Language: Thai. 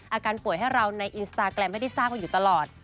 อาการป่วยให้เราในอินสตาแกรมให้ได้ทราบกันอยู่ตลอด